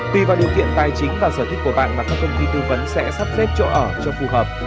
tùy vào điều kiện tài chính và sở thích của bạn mà các công ty tư vấn sẽ sắp xếp chỗ ở cho phù hợp